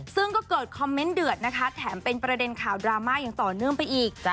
ซึ่งก็เกิดคอมเมนต์เดือดนะคะแถมเป็นประเด็นข่าวดราม่าอย่างต่อเนื่องไปอีก